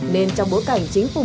nên trong bối cảnh chính phủ mở ra